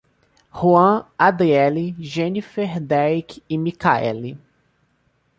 Ruam, Adriely, Genifer, Derick e Mikaeli